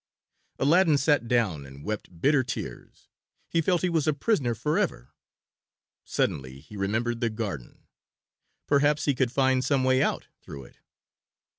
Aladdin sat down and wept bitter tears. He felt he was a prisoner forever. Suddenly he remembered the garden. Perhaps he could find some way out through it.